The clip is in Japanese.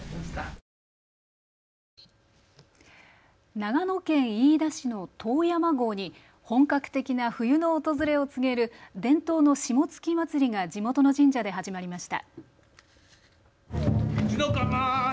長野県飯田市の遠山郷に本格的な冬の訪れを告げる伝統の霜月祭りが地元の神社で始まりました。